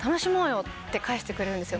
って返してくれるんですよ